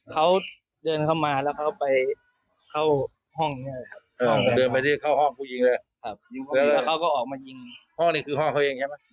เขาเดินเข้ามาแล้วเขาไปเข้าห้องเดินไปที่เข้าห้องผู้ยิงเลย